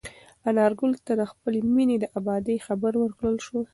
انارګل ته د خپلې مېنې د ابادۍ خبر ورکړل شو.